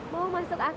mau masuk akmil